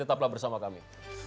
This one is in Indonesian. tetaplah bersama kami